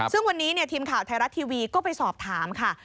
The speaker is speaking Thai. ซึ่งวันนี้ทีมข่าวไทยรัฐทีวีก็ไปสอบถามค่ะ